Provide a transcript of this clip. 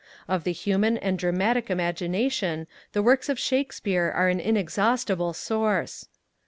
Of the human and dramatic Imagination the works of Shakespeare are an inexhaustible source.